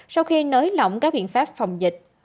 sau khi nới lỏng các biện pháp phòng dịch